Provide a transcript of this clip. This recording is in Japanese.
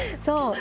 そう。